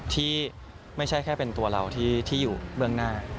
ที่ไม่ใช่แค่เป็นตัวเราที่อยู่เบื้องหน้า